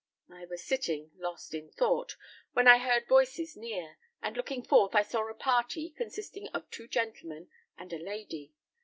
I was sitting, lost in thought, when I heard voices near, and looking forth I saw a party, consisting of two gentlemen and a lady.